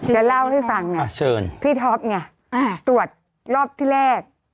จะเล่าให้ฟังนะพี่ท็อปเนี่ยตรวจรอบที่แรก